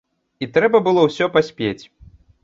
І трэба было ўсё паспець.